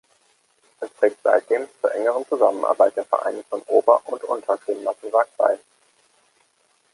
Es trägt seitdem zur engeren Zusammenarbeit der Vereine von Ober- und Unter-Schönmattenwag bei.